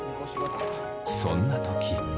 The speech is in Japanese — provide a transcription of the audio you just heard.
そんな時。